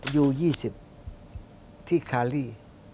อยู่๒๐ที่คารี